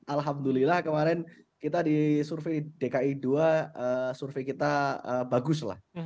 alhamdulillah kemarin kita di survei dki dua survei kita bagus lah